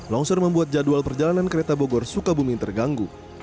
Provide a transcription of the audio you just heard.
longsor membuat jadwal perjalanan kereta bogor sukabumi terganggu